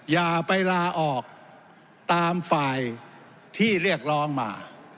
อย่าไปลาออกตามฝ่ายที่เรียกร้องมา